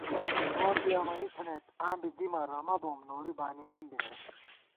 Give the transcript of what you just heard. گور بی امَنی تھنَئیت آں بی دِمہ رَمہ بوم نوری بانِمېم بی نئ